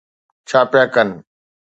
ڇا پيا ڪن؟